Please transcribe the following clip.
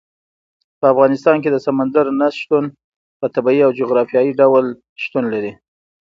په افغانستان کې د سمندر نه شتون په طبیعي او جغرافیایي ډول شتون لري.